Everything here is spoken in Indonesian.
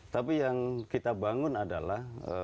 tapi yang kita bangun adalah